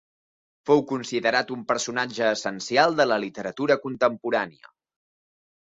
Fou considerat un personatge essencial de la literatura contemporània.